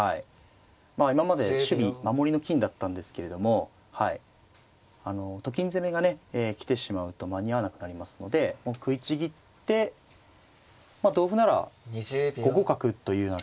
まあ今まで守備守りの金だったんですけれどもあのと金攻めがね来てしまうと間に合わなくなりますのでもう食いちぎってまあ同歩なら５五角というような手を。